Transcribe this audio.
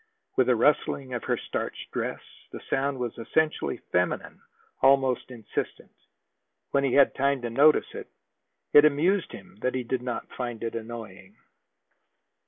With the rustling of her starched dress, the sound was essentially feminine, almost insistent. When he had time to notice it, it amused him that he did not find it annoying.